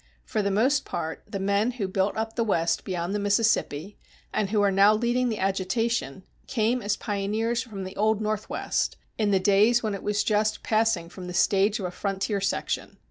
For the most part, the men who built up the West beyond the Mississippi, and who are now leading the agitation,[220:1] came as pioneers from the old Northwest, in the days when it was just passing from the stage of a frontier section.